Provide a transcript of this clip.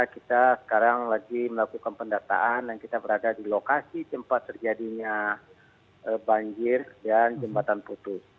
kita sekarang lagi melakukan pendataan dan kita berada di lokasi tempat terjadinya banjir dan jembatan putus